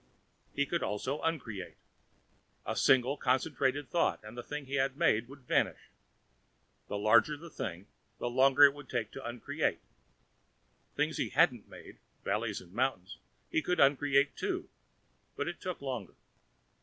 He could also uncreate. A single concentrated thought and the thing he had made would vanish. The larger the thing, the longer it took to uncreate. Things he hadn't made valleys and mountains he could uncreate, too, but it took longer.